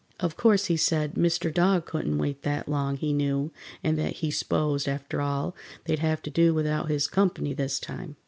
Of course, he said, Mr. Dog couldn't wait that long, he knew, and that he s'posed, after all, they'd have to do without his comp'ny this time.